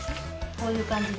こういう感じで。